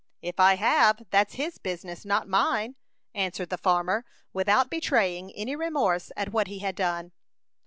"If I have, that's his business, not mine," answered the farmer, without betraying any remorse at what he had done.